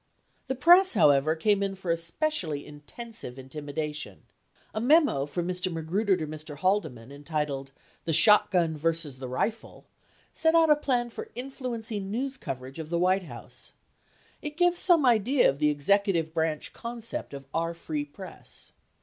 The press, however, came in for especially intensive intimidation. A memo from Mr. Magruder to Mr. Haldeman, entitled "The Shot gun versus the Rifle," 63 set out a plan for influencing news coverage of the White House. It gives some idea of the executive branch concept of our free press.